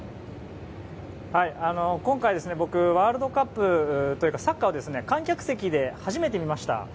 今回、僕ワールドカップというかサッカーを観客席で初めて見ました。